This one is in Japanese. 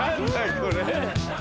これ。